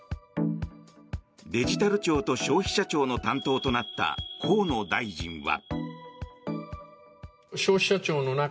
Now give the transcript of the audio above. デジタル庁と消費者庁の担当となった河野大臣は。